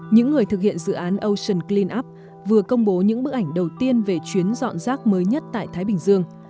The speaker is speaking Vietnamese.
những người thực hiện dự án ocean cleanup vừa công bố những bức ảnh đầu tiên về chuyến dọn rác mới nhất tại thái bình dương